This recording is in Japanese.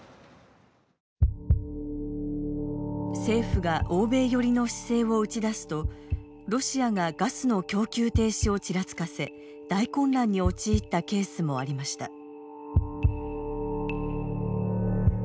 政府が欧米寄りの姿勢を打ち出すとロシアがガスの供給停止をちらつかせ大混乱に陥ったケースもありました。